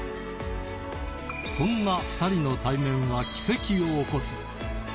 そんな２人の対面は奇跡を起こす。